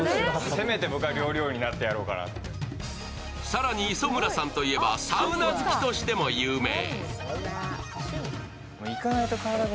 更に磯村さんといえばサウナ好きとしても有名。